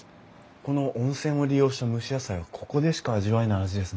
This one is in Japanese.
この温泉を利用した蒸し野菜はここでしか味わえない味ですね。